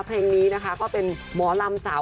เพลงนี้นะคะก็เป็นหมอลำสาว